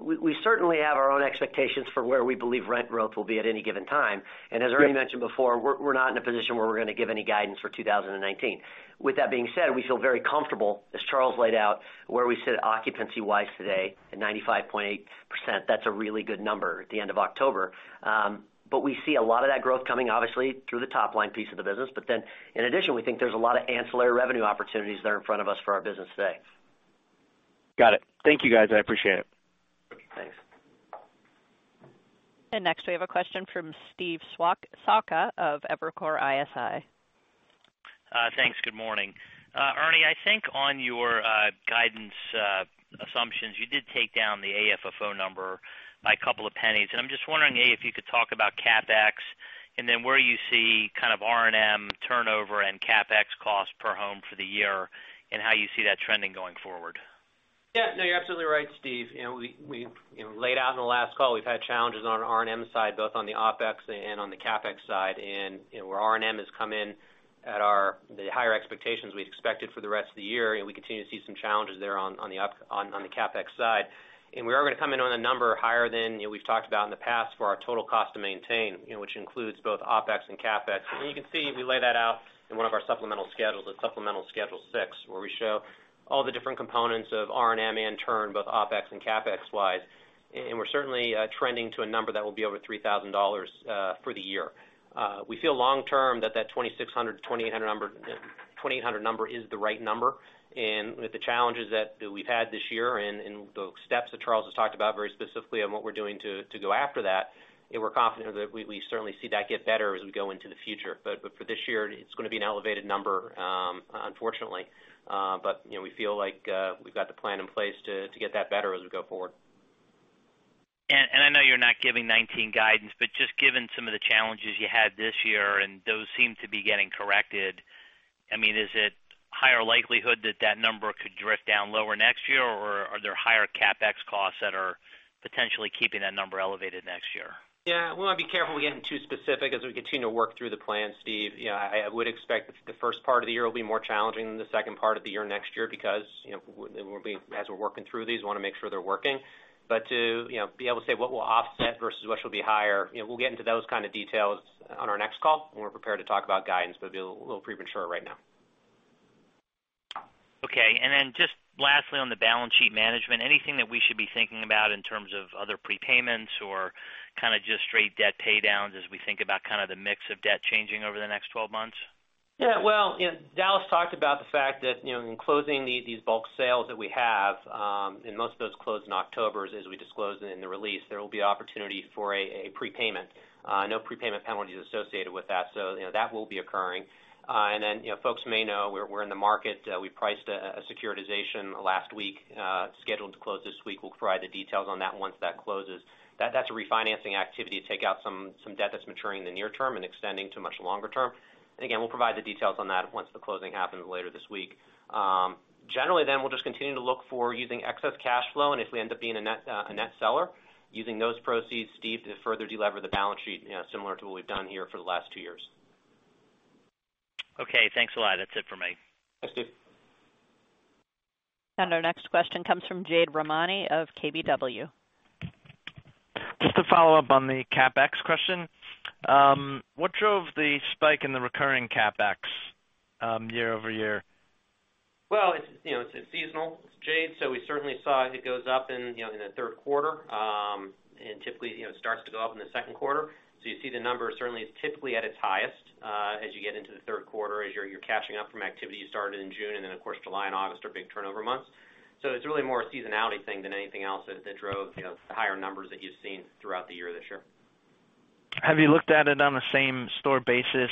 we certainly have our own expectations for where we believe rent growth will be at any given time. As Ernie mentioned before, we're not in a position where we're going to give any guidance for 2019. With that being said, we feel very comfortable, as Charles laid out, where we sit occupancy-wise today at 95.8%. That's a really good number at the end of October. We see a lot of that growth coming obviously through the top-line piece of the business. In addition, we think there's a lot of ancillary revenue opportunities that are in front of us for our business today. Got it. Thank you, guys. I appreciate it. Thanks. Next we have a question from Steve Sakwa of Evercore ISI. Thanks. Good morning. Ernie, I think on your guidance assumptions, you did take down the AFFO number by a couple of pennies. I'm just wondering, A, if you could talk about CapEx, then where you see kind of R&M turnover and CapEx cost per home for the year, and how you see that trending going forward. Yeah. No, you're absolutely right, Steve. We laid out in the last call, we've had challenges on our R&M side, both on the OpEx and on the CapEx side. Where R&M has come in at the higher expectations we'd expected for the rest of the year, we continue to see some challenges there on the CapEx side. We are going to come in on a number higher than we've talked about in the past for our total cost to maintain, which includes both OpEx and CapEx. You can see we lay that out in one of our supplemental schedules, the supplemental Schedule 6, where we show all the different components of R&M and turn both OpEx and CapEx wise. We're certainly trending to a number that will be over $3,000 for the year. We feel long term that $2,600-$2,800 number is the right number. With the challenges that we've had this year and the steps that Charles has talked about very specifically on what we're doing to go after that, and we're confident that we certainly see that get better as we go into the future. For this year, it's going to be an elevated number, unfortunately. We feel like we've got the plan in place to get that better as we go forward. I know you're not giving 2019 guidance, but just given some of the challenges you had this year, and those seem to be getting corrected, is it higher likelihood that that number could drift down lower next year, or are there higher CapEx costs that are potentially keeping that number elevated next year? We want to be careful we getting too specific as we continue to work through the plan, Steve. I would expect the first part of the year will be more challenging than the second part of the year next year because as we're working through these, we want to make sure they're working. To be able to say what will offset versus what should be higher, we'll get into those kind of details on our next call when we're prepared to talk about guidance. It'll be a little premature right now. Just lastly on the balance sheet management, anything that we should be thinking about in terms of other prepayments or kind of just straight debt pay downs as we think about kind of the mix of debt changing over the next 12 months? Dallas talked about the fact that in closing these bulk sales that we have, and most of those closed in October, as we disclosed in the release, there will be opportunity for a prepayment. No prepayment penalty is associated with that. That will be occurring. Then, folks may know we're in the market. We priced a securitization last week, scheduled to close this week. We'll provide the details on that once that closes. That's a refinancing activity to take out some debt that's maturing in the near term and extending to much longer term. Again, we'll provide the details on that once the closing happens later this week. Generally, we'll just continue to look for using excess cash flow, and if we end up being a net seller, using those proceeds, Steve, to further delever the balance sheet, similar to what we've done here for the last two years. Okay, thanks a lot. That's it for me. Thanks, Steve. Our next question comes from Jade Rahmani of KBW. Just to follow up on the CapEx question. What drove the spike in the recurring CapEx year-over-year? Well, it's seasonal, Jade. We certainly saw it goes up in the third quarter. Typically, it starts to go up in the second quarter. You see the number certainly is typically at its highest as you get into the third quarter, as you're catching up from activity you started in June, then of course, July and August are big turnover months. It's really more a seasonality thing than anything else that drove the higher numbers that you've seen throughout the year this year. Have you looked at it on a same-store basis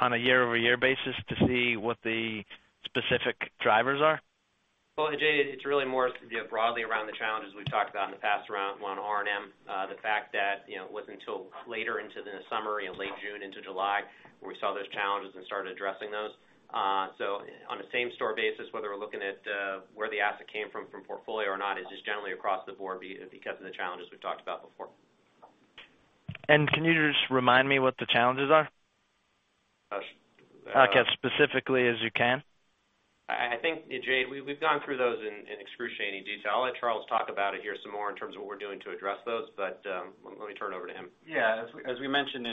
on a year-over-year basis to see what the specific drivers are? Well, Jade, it's really more broadly around the challenges we've talked about in the past around R&M. The fact that it wasn't until later into the summer, late June into July, where we saw those challenges and started addressing those. On a same-store basis, whether we're looking at where the asset came from portfolio or not is just generally across the board because of the challenges we've talked about before. Can you just remind me what the challenges are? Yes. Okay. Specifically as you can. I think, Jade, we've gone through those in excruciating detail. I'll let Charles talk about it here some more in terms of what we're doing to address those. Let me turn it over to him. Yeah. As we mentioned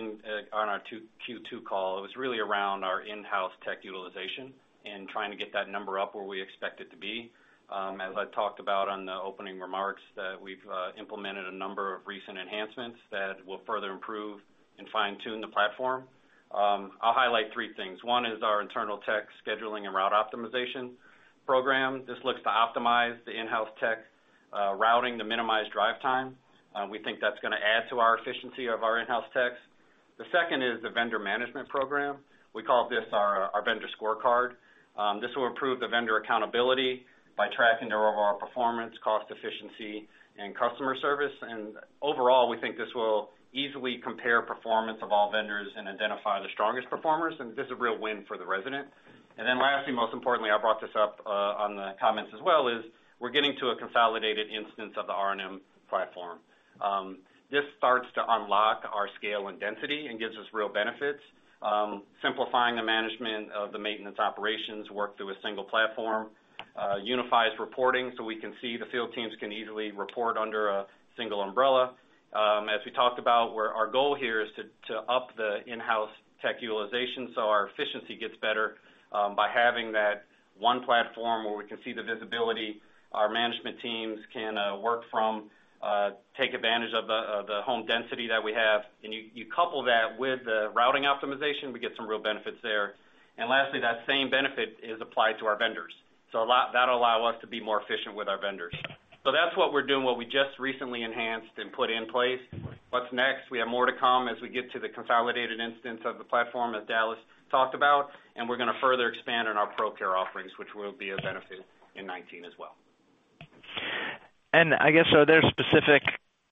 on our Q2 call, it was really around our in-house tech utilization and trying to get that number up where we expect it to be. As I talked about on the opening remarks, that we've implemented a number of recent enhancements that will further improve and fine-tune the platform. I'll highlight three things. One is our internal tech scheduling and route optimization program. This looks to optimize the in-house tech routing to minimize drive time. We think that's going to add to our efficiency of our in-house techs. The second is the vendor management program. We call this our vendor scorecard. This will improve the vendor accountability by tracking their overall performance, cost efficiency, and customer service. Overall, we think this will easily compare performance of all vendors and identify the strongest performers, and this is a real win for the resident. Lastly, most importantly, I brought this up on the comments as well, is we're getting to a consolidated instance of the R&M platform. This starts to unlock our scale and density and gives us real benefits. Simplifying the management of the maintenance operations work through a single platform, unifies reporting, so we can see the field teams can easily report under a single umbrella. As we talked about where our goal here is to up the in-house tech utilization, so our efficiency gets better, by having that one platform where we can see the visibility our management teams can work from, take advantage of the home density that we have. You couple that with the routing optimization, we get some real benefits there. Lastly, that same benefit is applied to our vendors. That'll allow us to be more efficient with our vendors. That's what we're doing, what we just recently enhanced and put in place. What's next? We have more to come as we get to the consolidated instance of the platform as Dallas talked about, and we're going to further expand on our ProCare offerings, which will be a benefit in 2019 as well. Are there specific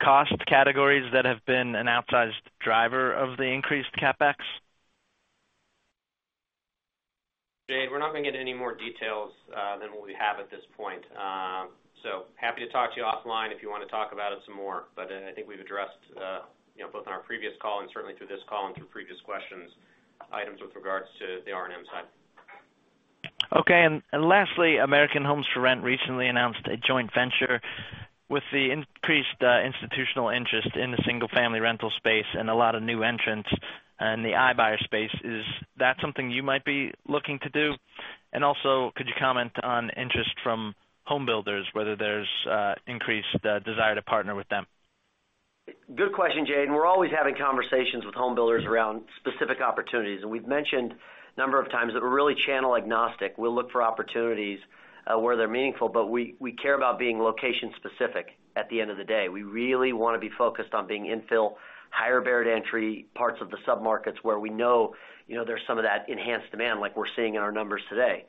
cost categories that have been an outsized driver of the increased CapEx? Jade, we're not going to get any more details than what we have at this point. Happy to talk to you offline if you want to talk about it some more. I think we've addressed, both on our previous call and certainly through this call and through previous questions, items with regards to the R&M side. Okay. Lastly, American Homes 4 Rent recently announced a joint venture with the increased institutional interest in the single-family rental space and a lot of new entrants in the iBuyer space. Is that something you might be looking to do? Also, could you comment on interest from home builders, whether there's increased desire to partner with them? Good question, Jade. We're always having conversations with home builders around specific opportunities. We've mentioned a number of times that we're really channel agnostic. We'll look for opportunities where they're meaningful, but we care about being location specific at the end of the day. We really want to be focused on being infill, higher barrier to entry parts of the sub-markets where we know there's some of that enhanced demand like we're seeing in our numbers today.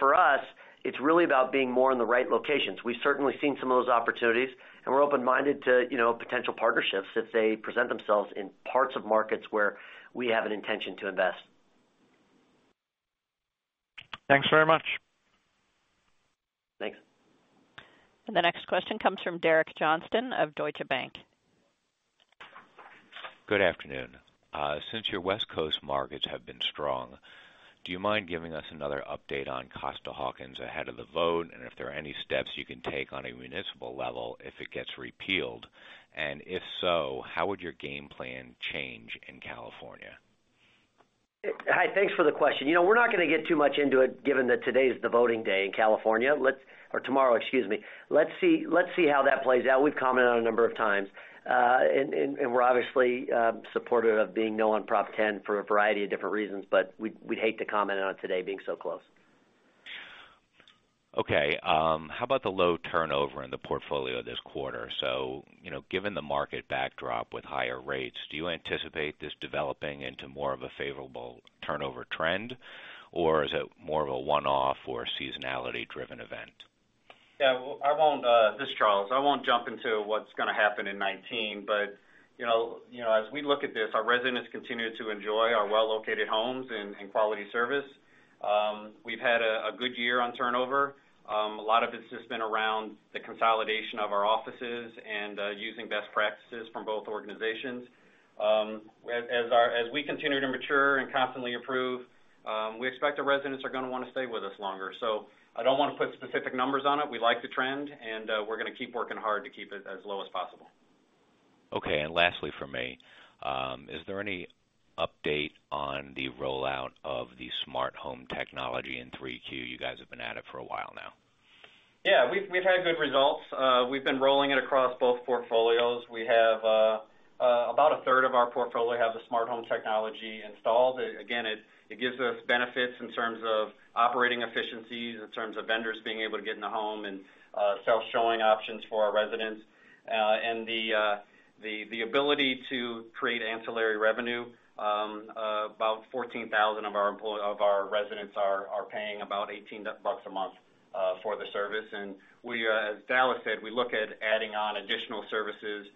For us, it's really about being more in the right locations. We've certainly seen some of those opportunities, and we're open-minded to potential partnerships if they present themselves in parts of markets where we have an intention to invest. Thanks very much. Thanks. The next question comes from Derek Johnston of Deutsche Bank. Good afternoon. Since your West Coast markets have been strong, do you mind giving us another update on Costa-Hawkins ahead of the vote, and if there are any steps you can take on a municipal level if it gets repealed, and if so, how would your game plan change in California? Hi, thanks for the question. We're not going to get too much into it given that today's the voting day in California. Tomorrow, excuse me. Let's see how that plays out. We've commented on it a number of times. We're obviously supportive of being no on Proposition 10 for a variety of different reasons, but we'd hate to comment on it today being so close. Okay. How about the low turnover in the portfolio this quarter? Given the market backdrop with higher rates, do you anticipate this developing into more of a favorable turnover trend, or is it more of a one-off or seasonality driven event? Yeah. This is Charles. I won't jump into what's going to happen in 2019. As we look at this, our residents continue to enjoy our well-located homes and quality service. We've had a good year on turnover. A lot of it's just been around the consolidation of our offices and using best practices from both organizations. As we continue to mature and constantly improve, we expect the residents are going to want to stay with us longer. I don't want to put specific numbers on it. We like the trend, and we're going to keep working hard to keep it as low as possible. Okay. Lastly from me, is there any update on the rollout of the smart home technology in 3Q? You guys have been at it for a while now. Yeah. We've had good results. We've been rolling it across both portfolios. About a third of our portfolio has the smart home technology installed. Again, it gives us benefits in terms of operating efficiencies, in terms of vendors being able to get in the home, and self-showing options for our residents. The ability to create ancillary revenue, about 14,000 of our residents are paying about $18 a month for the service. As Dallas said, we look at adding on additional services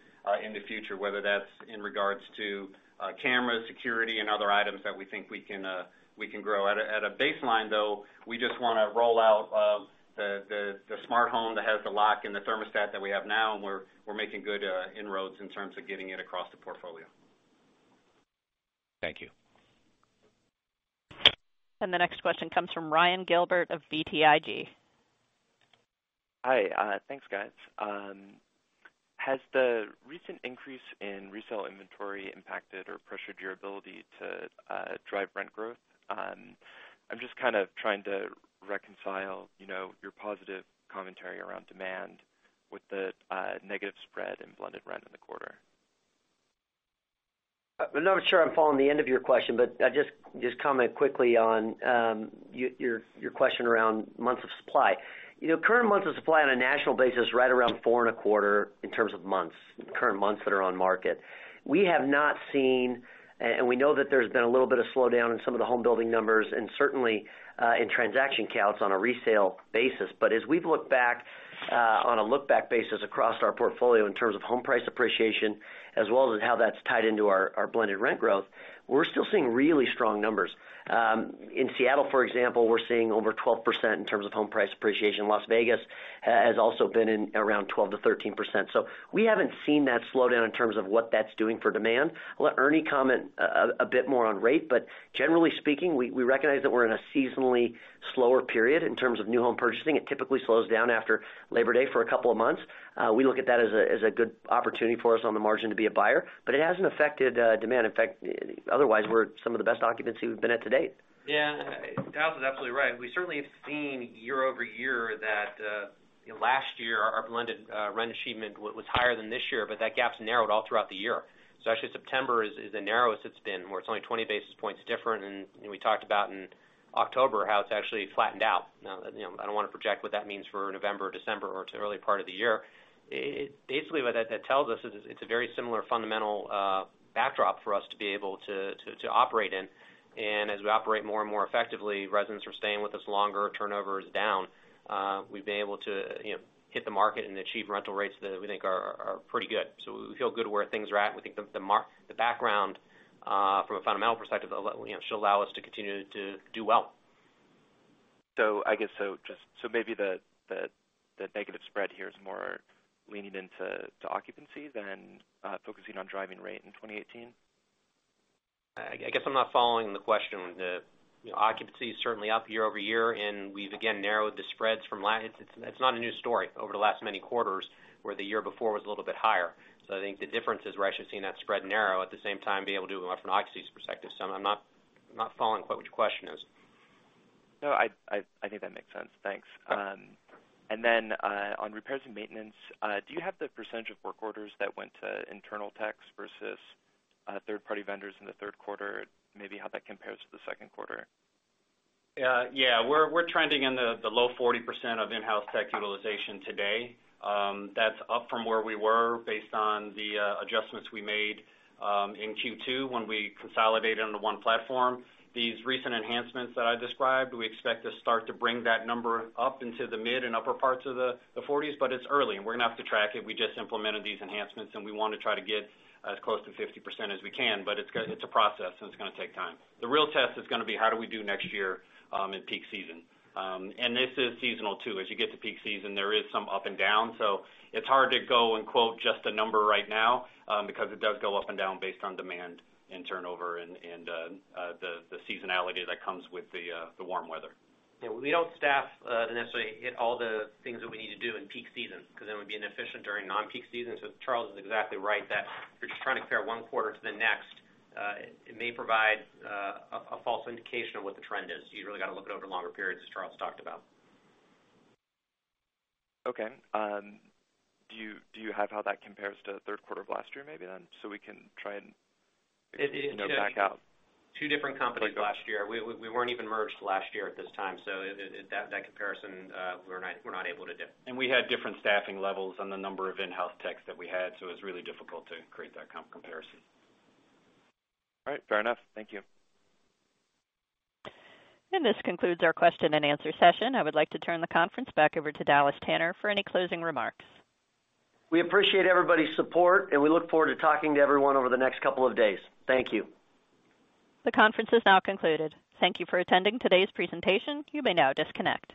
in the future, whether that's in regards to cameras, security, and other items that we think we can grow. At a baseline, though, we just want to roll out the smart home that has the lock and the thermostat that we have now, we're making good inroads in terms of getting it across the portfolio. Thank you. The next question comes from Ryan Gilbert of BTIG. Hi. Thanks, guys. Has the recent increase in resale inventory impacted or pressured your ability to drive rent growth? I'm just kind of trying to reconcile your positive commentary around demand with the negative spread in blended rent in the quarter. I'm not sure I'm following the end of your question, but I'll just comment quickly on your question around months of supply. Current months of supply on a national basis is right around four and a quarter in terms of months, current months that are on market. We have not seen, and we know that there's been a little bit of slowdown in some of the home building numbers, and certainly in transaction counts on a resale basis. As we've looked back on a look-back basis across our portfolio in terms of home price appreciation, as well as how that's tied into our blended rent growth, we're still seeing really strong numbers. In Seattle, for example, we're seeing over 12% in terms of home price appreciation. Las Vegas has also been around 12%-13%. We haven't seen that slowdown in terms of what that's doing for demand. I'll let Ernie comment a bit more on rate. Generally speaking, we recognize that we're in a seasonally slower period in terms of new home purchasing. It typically slows down after Labor Day for a couple of months. We look at that as a good opportunity for us on the margin to be a buyer, but it hasn't affected demand. In fact, otherwise, we're at some of the best occupancy we've been at to date. Yeah. Dallas is absolutely right. We certainly have seen year-over-year that last year our blended rent achievement was higher than this year, but that gap's narrowed all throughout the year. Actually, September is the narrowest it's been, where it's only 20 basis points different. We talked about in October how it's actually flattened out. I don't want to project what that means for November, December or to early part of the year. Basically, what that tells us is it's a very similar fundamental backdrop for us to be able to operate in. As we operate more and more effectively, residents are staying with us longer, turnover is down. We've been able to hit the market and achieve rental rates that we think are pretty good. We feel good where things are at, and we think the background from a fundamental perspective should allow us to continue to do well. Maybe the negative spread here is more leaning into occupancy than focusing on driving rate in 2018? I guess I'm not following the question. Occupancy is certainly up year-over-year, and we've again narrowed the spreads from last. It's not a new story over the last many quarters where the year before was a little bit higher. I think the difference is we're actually seeing that spread narrow at the same time be able to from an occupancy perspective. I'm not following quite what your question is. No, I think that makes sense. Thanks. Okay. On repairs and maintenance, do you have the % of work orders that went to internal techs versus third-party vendors in the third quarter? Maybe how that compares to the second quarter. Yeah. We're trending in the low 40% of in-house tech utilization today. That's up from where we were based on the adjustments we made in Q2 when we consolidated onto one platform. These recent enhancements that I described, we expect to start to bring that number up into the mid and upper parts of the 40s, but it's early, and we're going to have to track it. We just implemented these enhancements, and we want to try to get as close to 50% as we can, but it's a process, and it's going to take time. The real test is going to be how do we do next year in peak season. This is seasonal too. As you get to peak season, there is some up and down. It's hard to go and quote just a number right now because it does go up and down based on demand and turnover and the seasonality that comes with the warm weather. Yeah. We don't staff to necessarily hit all the things that we need to do in peak season because then we'd be inefficient during non-peak season. Charles is exactly right that if you're just trying to compare one quarter to the next, it may provide a false indication of what the trend is. You've really got to look at it over longer periods, as Charles talked about. Okay. Do you have how that compares to the third quarter of last year maybe then? We can try and back out- Two different companies last year. We weren't even merged last year at this time, so that comparison, we're not able to do. We had different staffing levels on the number of in-house techs that we had, so it was really difficult to create that comparison. All right. Fair enough. Thank you. This concludes our question and answer session. I would like to turn the conference back over to Dallas Tanner for any closing remarks. We appreciate everybody's support, and we look forward to talking to everyone over the next couple of days. Thank you. The conference is now concluded. Thank you for attending today's presentation. You may now disconnect.